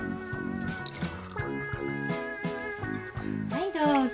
はいどうぞ。